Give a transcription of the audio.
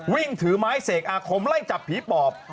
วิ่งถือไม้เสกอาคมไล่จับผีปอบ